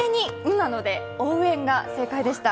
なので応援が正解でした。